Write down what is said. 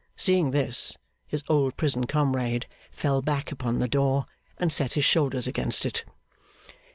Seeing this, his old prison comrade fell back upon the door, and set his shoulders against it.